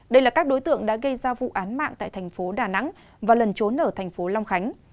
đây là các đối tượng đã gây ra vụ án mạng tại thành phố đà nẵng và lần trốn ở thành phố long khánh